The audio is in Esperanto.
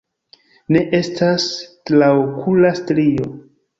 Ne estas traokula strio.